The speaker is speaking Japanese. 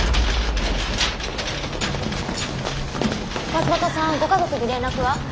松本さんご家族に連絡は？